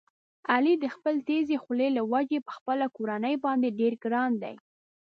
علي د خپلې تېزې خولې له وجې په خپله کورنۍ باندې ډېر ګران دی.